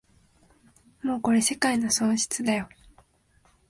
もうこれ世界の損失だよ